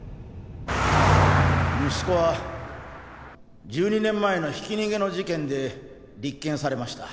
息子は１２年前のひき逃げの事件で立件されました。